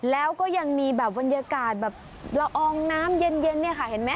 แล้วก็ยังมีแบบบรรยากาศแบบละอองน้ำเย็นเนี่ยค่ะเห็นไหม